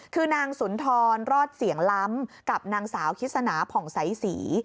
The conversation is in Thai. คือนางสุนทรรอดเสียงล้ำกับนางสาวคิสนาผ่องใสศรี